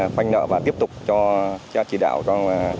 phanh nợ và tiếp tục cho chỉ đạo cho